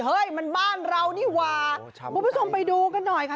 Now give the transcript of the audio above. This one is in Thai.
เฮ้ยมันบ้านเรานี่ว่าคุณผู้ชมไปดูกันหน่อยค่ะ